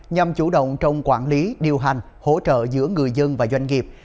nhằm chủ động trong quản lý điều hành hỗ trợ giữa người dân và doanh nghiệp